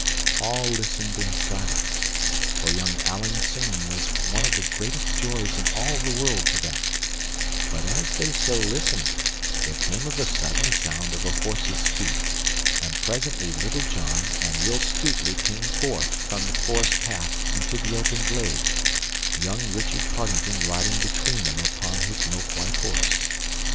All listened in silence, for young Allan's singing was one of the greatest joys in all the world to them; but as they so listened there came of a sudden the sound of a horse's feet, and presently Little John and Will Stutely came forth from the forest path into the open glade, young Richard Partington riding between them upon his milk white horse.